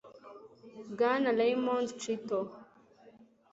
bwana raymond chitto